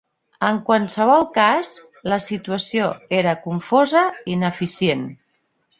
En qualsevol cas, la situació era confosa i ineficient.